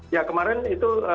ya kemarin itu